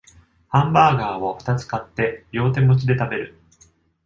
ハンバーガーをふたつ買って両手持ちで食べる